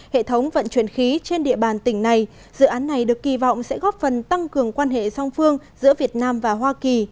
hệ thống vận chuyển khí trên địa bàn tỉnh này dự án này được kỳ vọng sẽ góp phần tăng cường quan hệ song phương giữa việt nam và hoa kỳ